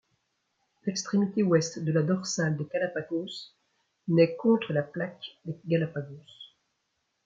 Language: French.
L'extrémité ouest de la dorsale des Galápagos naît contre la plaque des Galápagos.